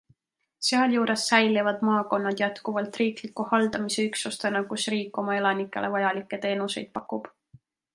Sealjuures säilivad maakonnad jätkuvalt riikliku haldamise üksustena, kus riik oma elanikele vajalikke teenuseid pakub.